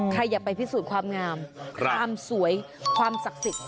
อย่าไปพิสูจน์ความงามความสวยความศักดิ์สิทธิ์